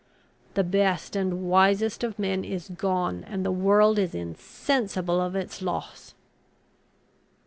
The best and wisest of men is gone, and the world is insensible of its loss!"